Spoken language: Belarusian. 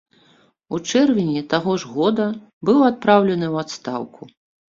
У чэрвені таго ж года быў адпраўлены ў адстаўку.